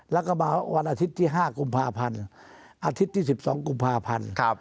แล้วก็มาวันอาทิตย์ที่๕กุมภาพันธ์อาทิตย์ที่๑๒กุมภาพันธ์